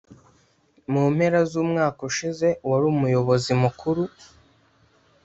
Mu mpera z’umwaka ushize uwari Umuyobozi Mukuru